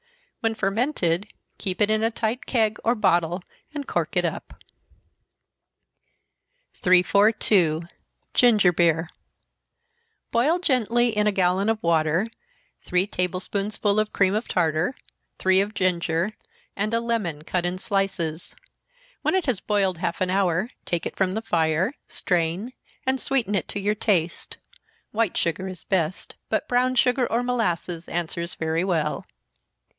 When fermented, keep it in a tight keg, or bottle and cork it up. 342. Ginger Beer. Boil gently, in a gallon of water, three table spoonsful of cream of tartar, three of ginger, and a lemon cut in slices. When it has boiled half an hour, take it from the fire, strain and sweeten it to your taste white sugar is the best, but brown sugar or molasses answers very well.